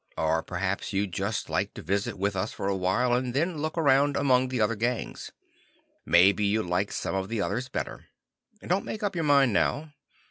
Or perhaps you'd just like to visit with us for a while, and then look around among the other gangs. Maybe you'd like some of the others better. Don't make up your mind now.